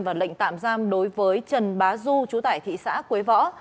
và lệnh tạm giam đối với trần bá du chú tại thị xã quế võ